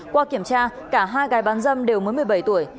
qua kiểm tra cả hai gái bán dâm đều mới một mươi bảy tuổi